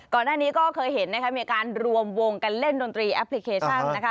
ก่อนหน้านี้ก็เคยเห็นนะคะมีการรวมวงกันเล่นดนตรีแอปพลิเคชันนะคะ